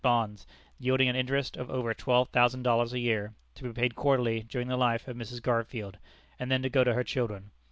bonds, yielding an interest of over twelve thousand dollars a year, to be paid quarterly during the life of Mrs. Garfield, and then to go to her children.